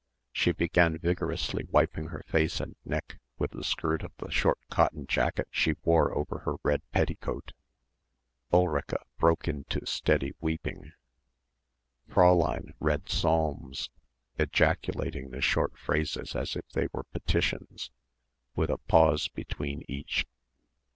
She began vigorously wiping her face and neck with the skirt of the short cotton jacket she wore over her red petticoat. Ulrica broke into steady weeping. Fräulein read Psalms, ejaculating the short phrases as if they were petitions, with a pause between each.